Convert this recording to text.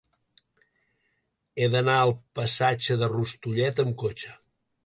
He d'anar al passatge de Rustullet amb cotxe.